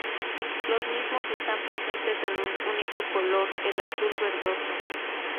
Los mismos están presentes en un único color, el azul verdoso.